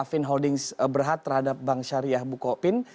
alvin holdings berhad terhadap bank syariah bukopin